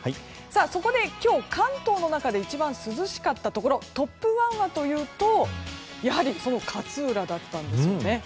そこで今日、関東の中で一番涼しかったところトップ１はというと勝浦だったんですね。